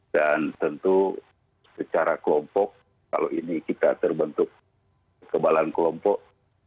dan tentu secara kelompok kalau ini kita terbentuk kekebalan kelompok